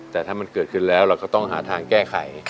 แต่ถ้ามันเกิดขึ้นแล้วเราก็ต้องหาทางแก้ไข